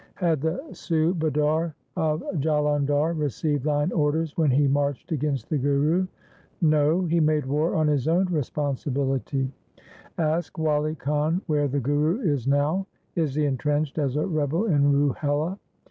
Had the Subadar of Jalandhar received thine orders when he marched against the Guru ? No ; he made war on his own responsibility. Ask Wali Khan where the Guru is now. Is he entrenched as a rebel in Ruhela